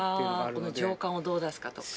この情感をどう出すかとか。